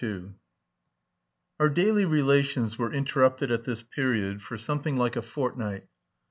II Our daily relations were interrupted at this period for something like a fortnight.